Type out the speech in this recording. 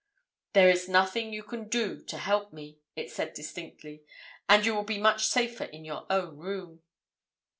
"'There is nothing you can do to help me,' it said distinctly, 'and you will be much safer in your own room.'